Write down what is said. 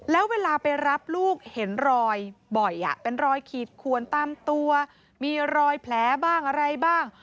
แล้วเวลาไปรับลูกเห็นรอยบ่อยเป็นรอยขีดขวนตามตัวมีรอยแผลบ้างอะไรบ้าง